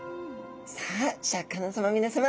さあシャーク香音さま皆さま。